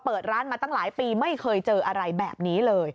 เปิดร้านมาตั้งหลายปีไม่เคยเจออะไรแบบนี้เลย